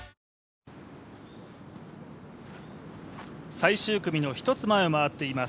最終組の１つ前を回っています